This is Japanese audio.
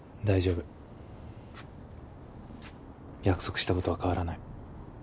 大丈夫約束したことは変わらない。